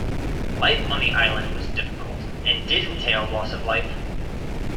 Life on the island was difficult, and did entail loss of life.